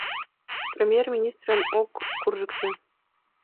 — Премьер-министрым от куржыкто!